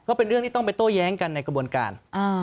ก็เป็นเรื่องที่ต้องไปโต้แย้งกันในกระบวนการ